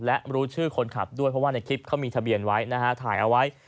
และรู้ชื่อคนขับด้วยเพราะว่าในคลิปเขามีทะเบียนไว้นะฮะถ่ายเอาไว้